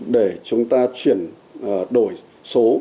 để chúng ta chuyển đổi số